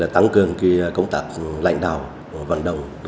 tăng cường công tác lãnh đạo vận động